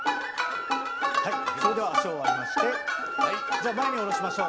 はいそれでは足を割りましてじゃあ前に下ろしましょう。